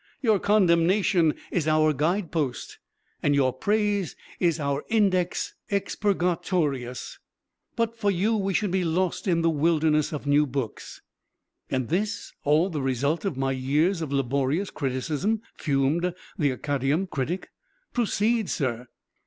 Your condemnation is our guide post, and your praise is our Index Expurgatorius. But for you we should be lost in the wilderness of new books." "And this is all the result of my years of laborious criticism," fumed the Acadæum critic. "Proceed, sir."